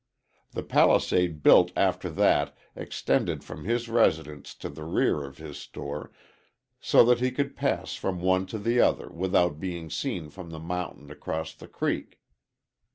The palisade built after that extended from his residence to the rear of his store so that he could pass from one to the other without being seen from the mountain across the creek.